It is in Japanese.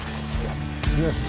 いきます。